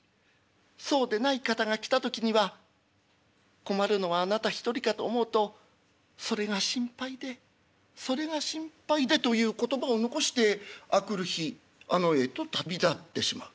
そうでない方が来た時には困るのはあなた一人かと思うとそれが心配でそれが心配で」という言葉を残して明くる日あの世へと旅立ってしまう。